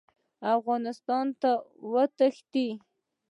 افغانستان ته وتښتي.